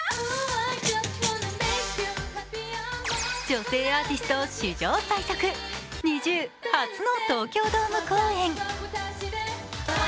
女性アーティスト史上最速、ＮｉｚｉＵ初の東京ドーム公演。